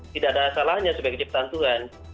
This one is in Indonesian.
tidak ada salahnya sebagai ciptaan tuhan